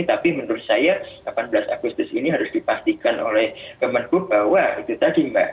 tapi menurut saya delapan belas agustus ini harus dipastikan oleh kemenhub bahwa itu tadi mbak